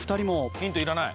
ヒントいらない。